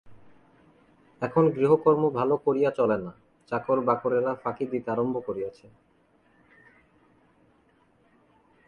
এখন গৃহকর্ম ভালো করিয়া চলে না–চাকরবাকরেরা ফাঁকি দিতে আরম্ভ করিয়াছে।